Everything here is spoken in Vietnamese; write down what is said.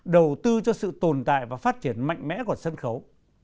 đầu tư cho sự tồn tại và phát triển mạnh mẽ của sân khấu